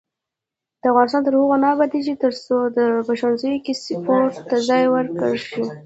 افغانستان تر هغو نه ابادیږي، ترڅو په ښوونځیو کې سپورت ته ځای ورکړل نشي.